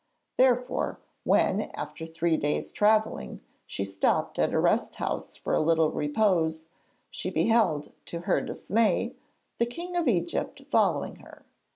Therefore, when after three days' travelling she stopped at a rest house for a little repose, she beheld, to her dismay, the King of Egypt following her.